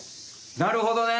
なるほどね！